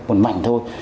một mảnh thôi